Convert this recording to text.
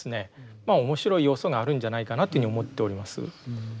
まあ面白い要素があるんじゃないかなというふうに思っております。